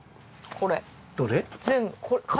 これ？